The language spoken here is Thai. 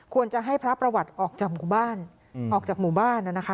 ควรจะให้พระประวัติออกจากหมู่บ้าน